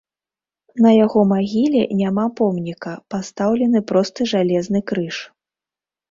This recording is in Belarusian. На яго магіле няма помніка, пастаўлены просты жалезны крыж.